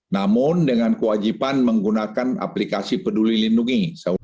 namun dengan kewajiban menggunakan aplikasi peduli lindungi